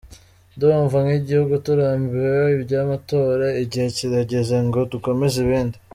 Ndumva nk’igihugu turambiwe iby’amatora, igihe kirageze ngo dukomeze ibindi.